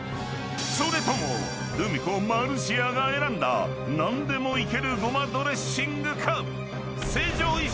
［それともルミ子マルシアが選んだなんでもいける胡麻ドレッシングか？］